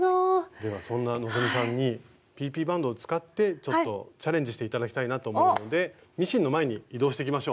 ではそんな希さんにＰＰバンドを使ってちょっとチャレンジして頂きたいなと思うのでミシンの前に移動していきましょう。